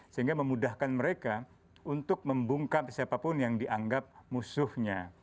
sehingga memudahkan mereka untuk membungkam siapapun yang dianggap musuhnya